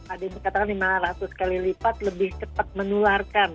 ada yang dikatakan lima ratus kali lipat lebih cepat menularkan